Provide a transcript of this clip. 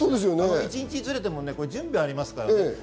一日ずれても準備がありますから。